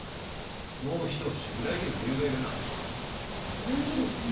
もうひと押し裏切る理由がいるな裏切る理由？